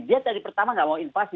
dia tadi pertama tidak mau invasi